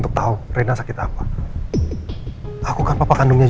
maaf kita baru dateng